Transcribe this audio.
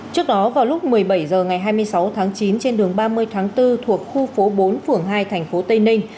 trước đó vào lúc một mươi bảy h ngày hai mươi sáu tháng chín trên đường ba mươi tháng bốn thuộc khu phố bốn phường hai thành phố tây ninh